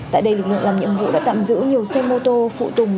tại đây lực lượng làm nhiệm vụ đã tạm giữ nhiều xe mô tô phụ tùng